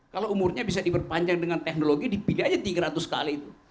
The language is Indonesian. kalau umurnya bisa diperpanjang dengan teknologi dipilih aja tiga ratus kali itu